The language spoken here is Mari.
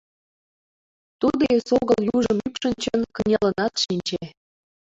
Тудо эсогыл, южым ӱпшынчын, кынелынат шинче.